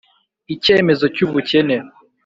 icyemezo cy’ubukene: